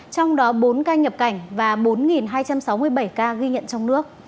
trong đó bốn ca nhập cảnh và bốn hai trăm sáu mươi bảy ca ghi nhận trong nước